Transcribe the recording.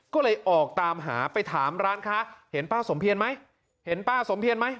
ก็เลยออกตามหาไปถามร้านค้าเห็นป้าสมเพียรไหมเห็นป้าสมเพียรไหม